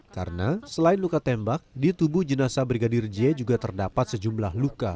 karena selain luka tembak di tubuh jenasa brigadir j juga terdapat sejumlah luka